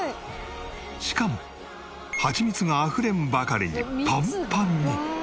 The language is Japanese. しかもハチミツがあふれんばかりにパンパンに！